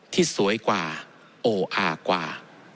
ที่สวยกว่าโออากว่า